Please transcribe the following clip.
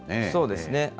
そうですね。